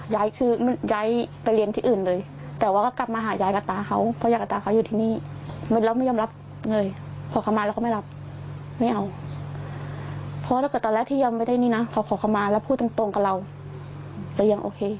หลังจากนี้ต่อไปจะทำยังไงจะให้น้องอยู่ที่นี่ต่อมันหรือมันย้าย